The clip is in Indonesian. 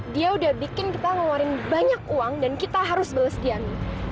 dia udah bikin kita ngeluarin banyak uang dan kita harus beres dia